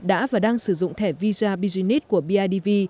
đã và đang sử dụng thẻ visa business của bidv